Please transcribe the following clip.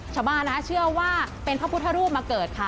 ชาวบ้านเชื่อว่าเป็นพระพุทธรูปมาเกิดค่ะ